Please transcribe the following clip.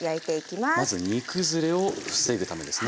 まず煮崩れを防ぐためですね。